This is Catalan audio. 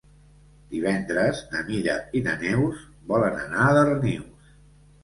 Divendres na Mira i na Neus volen anar a Darnius.